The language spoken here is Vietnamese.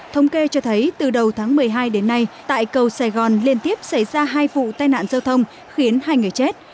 thống kê cho thấy từ đầu tháng một mươi hai đến nay tại cầu sài gòn liên tiếp xảy ra hai vụ tai nạn giao thông khiến hai người chết